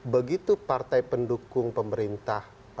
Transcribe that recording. begitu partai pendukung pemerintah